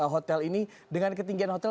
hotel ini dengan ketinggian hotel